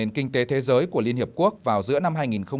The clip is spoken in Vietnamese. nền kinh tế thế giới của liên hiệp quốc vào giữa năm hai nghìn một mươi chín